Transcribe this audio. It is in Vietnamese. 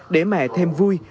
để mẹ thêm vui